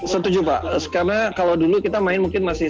setuju pak karena kalau dulu kita main mungkin masih